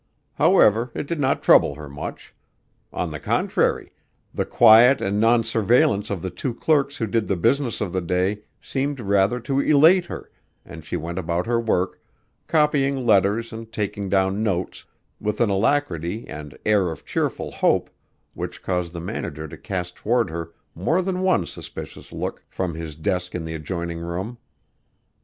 However, it did not trouble her much. On the contrary, the quiet and non surveillance of the two clerks who did the business of the day seemed rather to elate her, and she went about her work, copying letters and taking down notes with an alacrity and air of cheerful hope which caused the manager to cast toward her more than one suspicious look from his desk in the adjoining room.